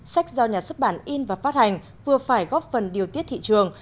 sách do nhà xuất bản in và phát hành vừa phải góp phần điều tiết thị trường